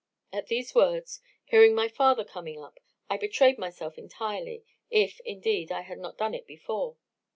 At these words, hearing my father coming up, I betrayed myself entirely, if, indeed, I had not done it before.